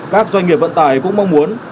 các doanh nghiệp vận tải cũng mong muốn